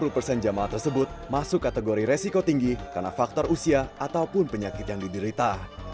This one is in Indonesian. lima puluh persen jemaah tersebut masuk kategori resiko tinggi karena faktor usia ataupun penyakit yang diderita